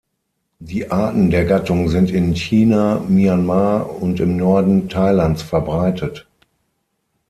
Die Arten der Gattung sind in China, Myanmar und im Norden Thailands verbreitet.